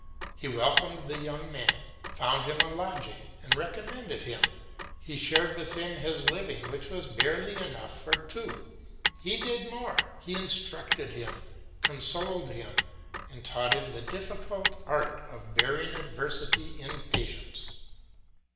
He welcomed the young man, found him a lodging, and recommended him; he shared with him his living which was barely enough for two. He did more, he instructed him, consoled him, and taught him the difficult art of bearing adversity in patience.